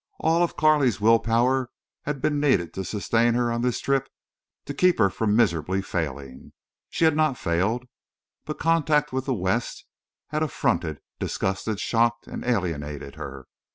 All of Carley's will power had been needed to sustain her on this trip to keep her from miserably failing. She had not failed. But contact with the West had affronted, disgusted, shocked, and alienated her.